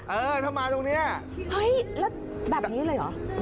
เออถ้ามาตรงนี้เฮ้ยแล้วแบบนี้เลยเหรอ